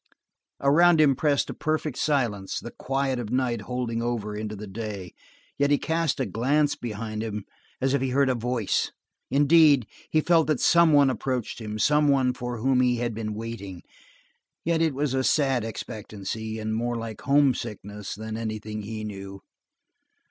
Around him pressed a perfect silence, the quiet of night holding over into the day, yet he cast a glance behind him as he heard a voice. Indeed, he felt that some one approached him, some one for whom he had been waiting, yet it was a sad expectancy, and more like homesickness than anything he knew.